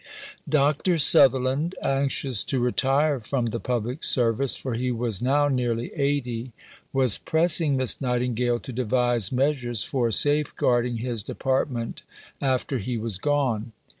Dr. Sutherland, anxious to retire from the public service (for he was now nearly 80), was pressing Miss Nightingale to devise measures for safeguarding his department after he was gone.